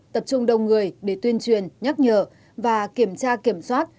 tập trung đông người để tuyên truyền nhắc nhở và kiểm tra kiểm soát